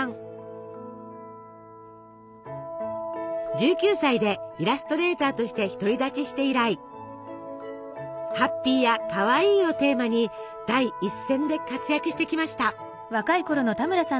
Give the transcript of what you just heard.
１９歳でイラストレーターとして独り立ちして以来ハッピーやかわいいをテーマに第一線で活躍してきました。